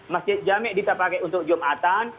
masjid jami' kita pakai untuk jum'atan